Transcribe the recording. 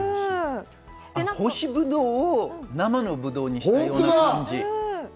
干しブドウを生のブドウにしたような感じ。